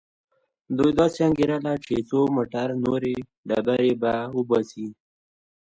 دوی داسې انګېرله چې څو موټره نورې ډبرې به وباسي.